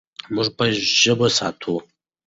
موږ به ژبه وساتو.